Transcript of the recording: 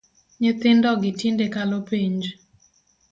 Nyithindo gi tinde kalo penj